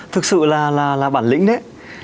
thực sự là bản lĩnh đấy